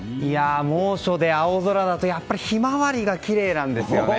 猛暑で青空だとやっぱりヒマワリがきれいなんですよね。